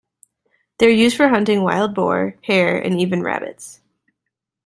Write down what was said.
They are used for hunting wild boar, hare and even rabbits.